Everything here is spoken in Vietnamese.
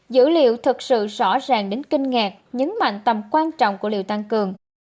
dữ liệu thật sự rõ ràng đến kinh ngạc nhấn mạnh tầm quan trọng của liều tăng cường